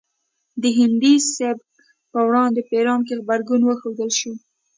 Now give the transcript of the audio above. د هندي سبک په وړاندې په ایران کې غبرګون وښودل شو